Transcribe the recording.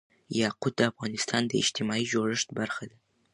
یاقوت د افغانستان د اجتماعي جوړښت برخه ده.